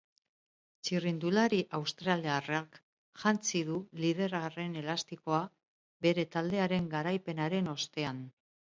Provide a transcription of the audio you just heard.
Txirrindulari australiarrak jantzi du liderraren elastikoa bere taldearen garaipenaren ostean.